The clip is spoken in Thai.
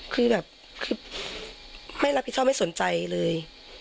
คือแบบคือไม่รับผิดชอบไม่สนใจเลย